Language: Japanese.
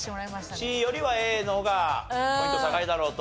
ＣよりはＡの方がポイント高いだろうと？